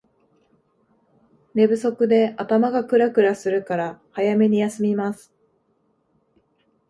寝不足で頭がクラクラするから早めに休みます